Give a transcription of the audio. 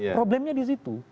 problemnya di situ